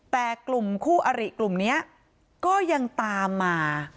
แต่กลุ่มคู่อริกลุ่มนี้ก็ยังตามมา